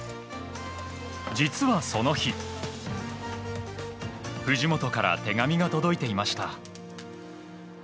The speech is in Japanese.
実は、その日藤本から手紙が届いていました。